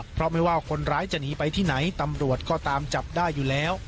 เพราะไม่ว่าคนร้ายจะหนีไปที่ไหนตำรวจก็ตามจับได้อยู่แล้ว